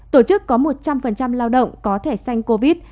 tổ chức có một trăm linh lao động có thể sanh covid